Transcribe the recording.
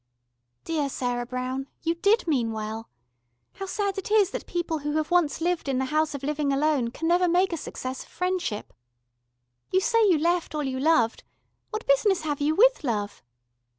Dear Sarah Brown, you did mean well. How sad it is that people who have once lived in the House of Living Alone can never make a success of friendship. You say you left all you loved what business have you with love?